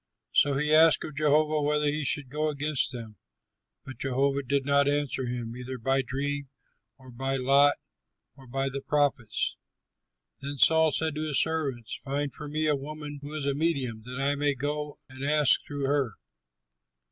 So he asked of Jehovah whether he should go against them, but Jehovah did not answer him either by dream or by lot or by the prophets. Then Saul said to his servants, "Find for me a woman who is a medium, that I may go and ask through her."